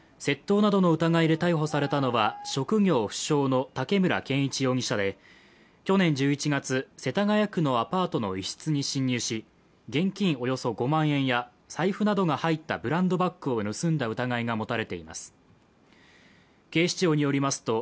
窃盗などの疑いで逮捕されたのは、職業不詳の竹村健一容疑者で去年１１月、世田谷区のアパートの一室に侵入し、現金およそ５万円や財布などが入ったブランドバッグを盗んだ疑いが持たれています。